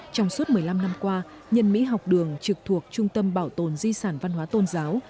trong suốt một mươi năm năm qua nhân mỹ học đường trực thuộc trung tâm bảo tồn di sản văn hóa tôn giáo